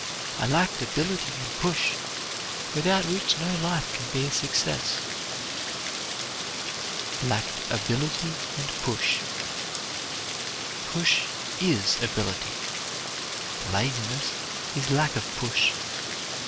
I lacked ability and push, without which no life can be a success." "Lacked ability and push." Push is ability. Laziness is lack of push.